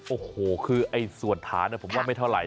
โอ้โหคือไอ้ส่วนฐานผมว่าไม่เท่าไห